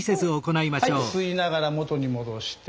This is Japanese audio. はい吸いながら元に戻して。